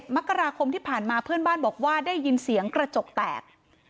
มกราคมที่ผ่านมาเพื่อนบ้านบอกว่าได้ยินเสียงกระจกแตก